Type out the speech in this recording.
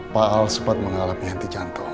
pak al sempat mengalami henti jantung